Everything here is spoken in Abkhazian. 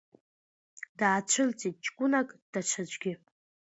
Даацәырҵит ҷкәынак, даҽаӡәгьы.